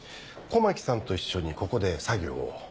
木さんと一緒にここで作業を？